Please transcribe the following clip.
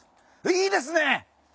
いいですね！